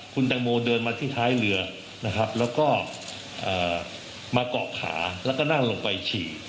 คุณแตงโมเดินมาที่ท้ายเรือนะครับแล้วก็มาเกาะขาแล้วก็นั่งลงไปฉี่